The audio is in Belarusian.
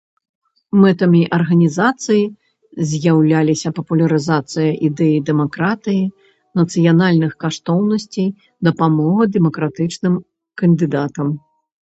Мэтамі арганізацыі з'яўляліся папулярызацыя ідэй дэмакратыі, нацыянальных каштоўнасцей, дапамога дэмакратычным кандыдатам.